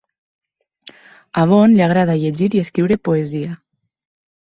A Vaughn li agrada llegir i escriure poesia.